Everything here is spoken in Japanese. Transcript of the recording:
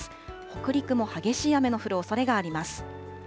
北陸も激しい雨の降るおそれがあります。